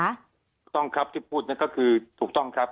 ถูกต้องครับที่พูดนั้นก็คือถูกต้องครับ